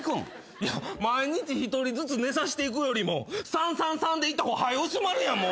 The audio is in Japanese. いや毎日１人ずつ寝させていくよりも３３３でいった方が早う薄まるやんもう。